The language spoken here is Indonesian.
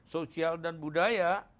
sosial dan budaya